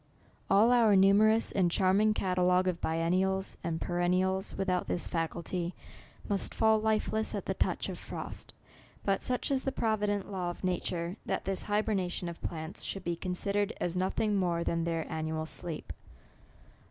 All our numerous and charming catalogue of biennials and pe rennials, without this faculty, must fall lifeless at the touch of frost. But such is the provi dent law of nature, that this hybernation of plants should be considered as nothing more than their annual sleep.